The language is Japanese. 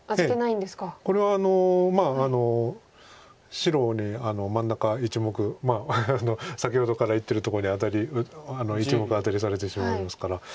白に真ん中１目先ほどから言ってるとこに１目アタリされてしまいますから。